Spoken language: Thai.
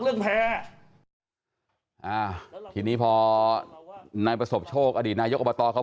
แพ้อ่าทีนี้พอนายประสบโชคอดีตนายกอบตเขา